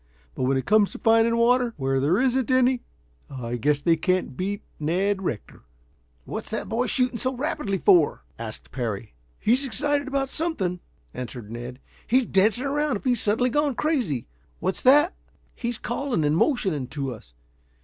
But when it comes to finding water where there isn't any, I guess they can't beat Ned Rector." "What's that boy shooting so rapidly for?" asked Parry. "He's excited about something," answered Ned. "He's dancing around as if he's suddenly gone crazy. What's that? He's calling and motioning to us.